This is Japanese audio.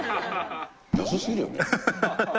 安すぎるよね。